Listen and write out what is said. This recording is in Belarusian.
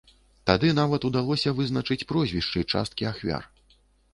Тады нават удалося вызначыць прозвішчы часткі ахвяр.